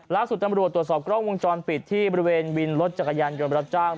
ล่าสุดตำรวจตรวจสอบกล้องวงจรปิดที่บริเวณวินรถจักรยานยนต์รับจ้าง